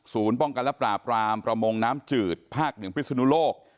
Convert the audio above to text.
ศูนย์ป้องกันละปราบปรามประมงน้ำจืดภาคเหนียงพิสุนุโลก